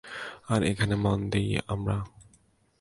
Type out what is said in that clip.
আর এখানে মন দিই আমরা।